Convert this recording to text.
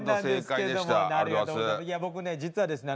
僕ね実はですね